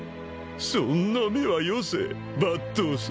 そんな目はよせ抜刀斎。